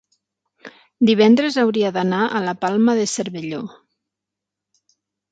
divendres hauria d'anar a la Palma de Cervelló.